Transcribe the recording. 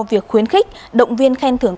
việc khuyến khích động viên khen thưởng